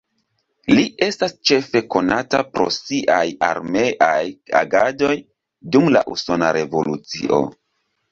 Li estas ĉefe konata pro siaj armeaj agadoj dum la Usona revolucio.